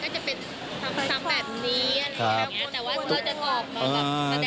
แต่ว่าจะบอกขาแดง